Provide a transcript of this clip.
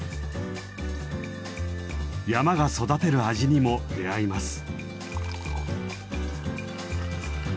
山が育てる味にも出会います。